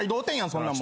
そんなん。